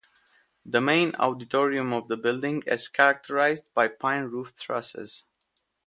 The main auditorium of the building is characterized by pine roof trusses.